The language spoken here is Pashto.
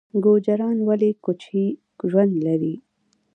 ګوجران ولې کوچي ژوند لري؟